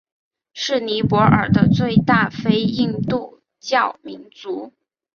是尼泊尔的最大非印度教民族。